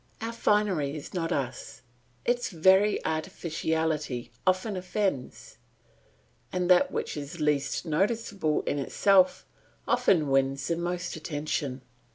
Our finery is not us; its very artificiality often offends, and that which is least noticeable in itself often wins the most attention.